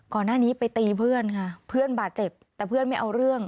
ก่อนหน้านี้ไปตีเพื่อนค่ะเพื่อนบาดเจ็บแต่เพื่อนไม่เอาเรื่อง